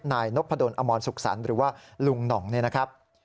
นายนพดลอมรสุขสรรค์หรือว่าลุงหน่องเนี่ยนะครับ